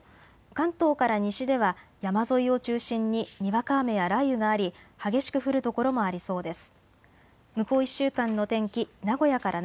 関東から西では山沿いを中心ににわか雨や雷雨があり激しく降る所もありそうです。